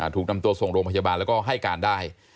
ถูกนำตัวส่งโรงพยาบาลแล้วก็ให้การได้